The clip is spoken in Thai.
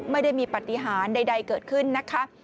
ไม่ได้มีปฏิหารใดเกิดขึ้นนะคะ